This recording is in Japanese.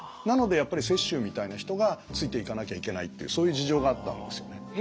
なのでやっぱり雪舟みたいな人がついていかなきゃいけないっていうそういう事情があったんですよね。